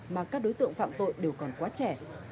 mà các đối tượng phạm tội đều còn quá trẻ